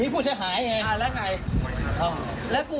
บินไปทราบอีกดินไปมาบิน